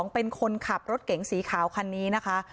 เป็นคนขับรถเก๋งสีขาวคันนี้นะคะ